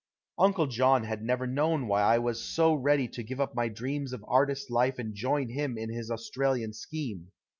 Uncle John had never known why I was so ready to give up my dreams of artist life and join him in his Australian scheme.